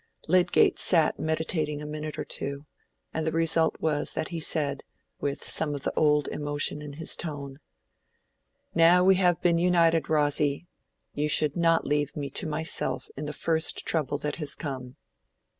Lydgate sat meditating a minute or two, and the result was that he said, with some of the old emotion in his tone— "Now we have been united, Rosy, you should not leave me to myself in the first trouble that has come."